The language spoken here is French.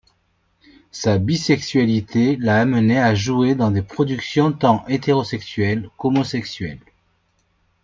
Sa bisexualité l'a amené à jouer dans des productions tant hétérosexuelles qu'homosexuelles.